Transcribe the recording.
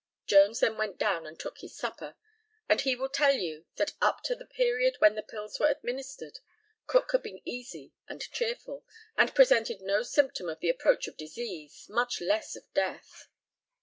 Jones then went down and took his supper, and he will tell you that up to the period when the pills were administered, Cook had been easy and cheerful, and presented no symptom of the approach of disease, much less of death.